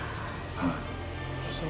「はい！